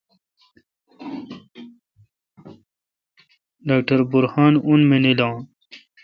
ڈاکٹر برہان اون مینل اؘ